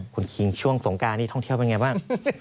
คุณครีงช่วงสงการท่องเที่ยวเป็นอย่างไรบ้าง